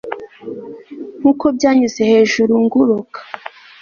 Nkuko byanyuze hejuru nguruka